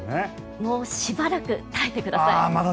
もうしばらく耐えてください。